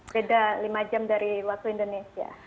beda lima jam dari waktu indonesia